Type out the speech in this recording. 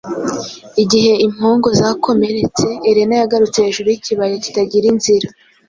Igihe impongo zakomeretse, Elena yagurutse hejuru y'Ikibaya kitagira inzira;